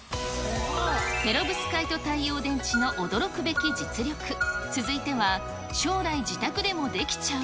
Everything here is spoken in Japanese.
ペロブスカイト太陽電池の驚くべき実力、続いては、将来自宅でも出来ちゃう？